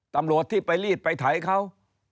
ตำรวจที่ไปรีดไปไถเขา